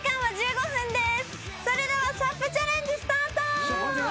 それではＳＵＰチャレンジスタート！